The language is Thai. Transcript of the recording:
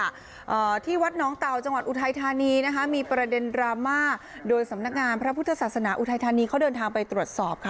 อ่าที่วัดน้องเตาจังหวัดอุทัยธานีนะคะมีประเด็นดราม่าโดยสำนักงานพระพุทธศาสนาอุทัยธานีเขาเดินทางไปตรวจสอบค่ะ